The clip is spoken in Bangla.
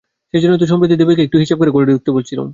সেইজন্যেই তো সম্প্রতি দেবীকে একটু হিসেব করে ঘরে ঢুকতে বলেছিলুম।